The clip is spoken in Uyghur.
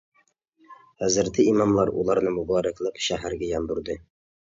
ھەزرىتى ئىماملار ئۇلارنى مۇبارەكلەپ شەھەرگە ياندۇردى.